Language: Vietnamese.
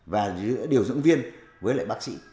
và giữa điều dưỡng viên với lại bác sĩ